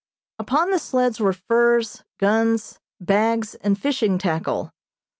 Upon the sleds were furs, guns, bags and fishing tackle.